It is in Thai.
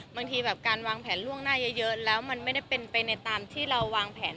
บางทีแบบการวางแผนล่วงหน้าเยอะแล้วมันไม่ได้เป็นไปในตามที่เราวางแผน